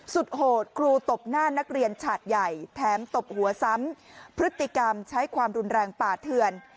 โหดครูตบหน้านักเรียนฉาดใหญ่แถมตบหัวซ้ำพฤติกรรมใช้ความรุนแรงป่าเทือน